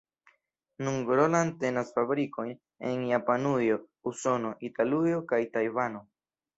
Nun Roland tenas fabrikojn en Japanujo, Usono, Italujo kaj Tajvano.